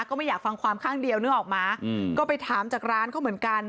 ก็ไม่อยากฟังความข้างเดียวนึกออกมาก็ไปถามจากร้านเขาเหมือนกัน